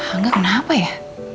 enggak kenapa ya